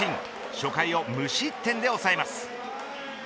初回は無失点で抑えます。